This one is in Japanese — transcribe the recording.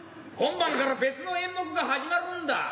今晩から別の演目が始まるんだ。